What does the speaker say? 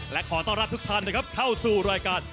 และขอต้อนรับทุกท่านนะครับเข้าสู่รายการ